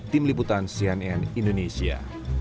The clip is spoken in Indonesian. tim liputan cnn indonesia